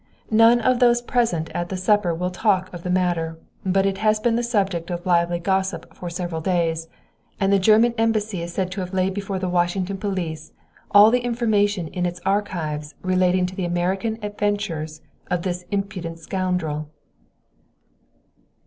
None of those present at the supper will talk of the matter, but it has been the subject of lively gossip for several days, and the German embassy is said to have laid before the Washington police all the information in its archives relating to the American adventures of this impudent scoundrel."